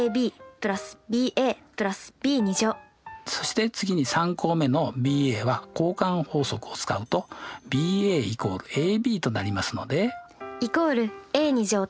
そして次に３項目のｂは交換法則を使うとｂ＝ｂとなりますので。